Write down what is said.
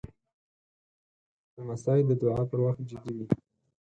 لمسی د دعا پر وخت جدي وي.